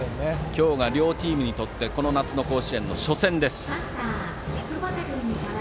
今日が両チームにとってこの夏の甲子園の初戦です。